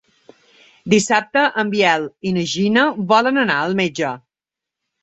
Dissabte en Biel i na Gina volen anar al metge.